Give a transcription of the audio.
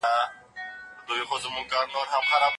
د پوهنې په خپرولو سره جهالت له ټولنې کډه کوي.